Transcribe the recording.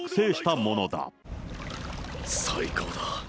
最高だ。